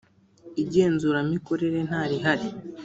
igenzura mikorere ntarihari.